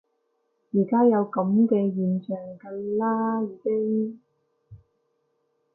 而家有噉嘅現象㗎啦已經